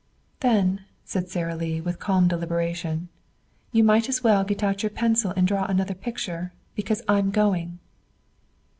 "Then," said Sara Lee with calm deliberation, "you might as well get out your pencil and draw another picture because I'm going."